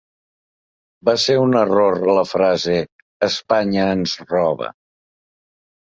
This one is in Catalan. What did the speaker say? Va ser un error la frase ‘Espanya ens roba’.